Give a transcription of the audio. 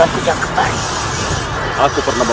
aku tidak percaya